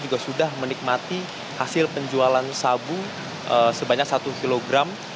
juga sudah menikmati hasil penjualan sabu sebanyak satu kilogram